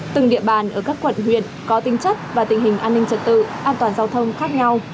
từng địa bàn ở các quận huyện có tính chất và tình hình an ninh trật tự an toàn giao thông khác nhau